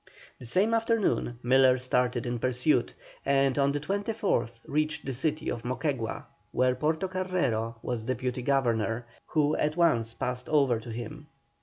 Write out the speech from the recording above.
The same afternoon Miller started in pursuit, and on the 24th reached the city of Moquegua, where Portocarrero was Deputy Governor, who at once passed over to him.